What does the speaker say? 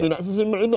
tidak sesimpel itu